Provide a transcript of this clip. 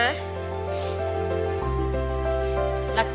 คิดหึง